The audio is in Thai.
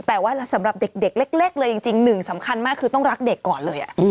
แต่ว่าสำหรับเด็กเล็กเลยจริงหนึ่งสำคัญมากคือต้องรักเด็กก่อนเลย